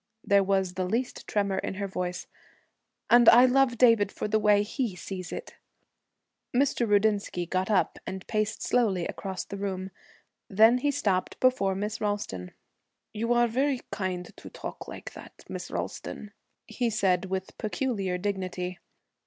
There was the least tremor in her voice. 'And I love David for the way he sees it.' Mr. Rudinsky got up and paced slowly across the room. Then he stopped before Miss Ralston. 'You are very kind to talk like that, Miss Ralston,' he said, with peculiar dignity.